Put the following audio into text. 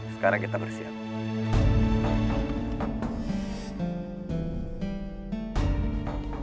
sekarang kita bersiap